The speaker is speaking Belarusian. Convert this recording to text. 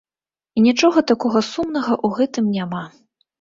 І нічога такога сумнага ў гэтым няма.